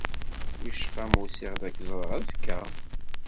Wicqa ma usiɣ-d ad k-ẓreɣ azekka?